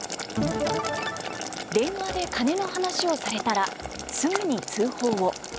電話で金の話をされたらすぐに通報を。